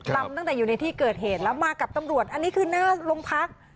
ลำตั้งแต่อยู่ในที่เกิดเหตุแล้วมากับตำรวจอันนี้คือหน้าโรงพัก